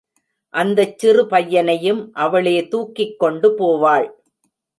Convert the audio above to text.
அந்தச் சிறு பையனையும் அவளே தூக்கிக்கொண்டு போவாள்.